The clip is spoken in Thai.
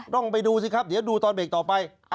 ต้องไปดูดูตอนเบรกต่อไป